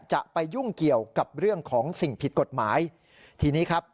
จะไปยุ่งเกี่ยวกับเรื่องของสิ่งผิดกฎหมายทีนี้ครับ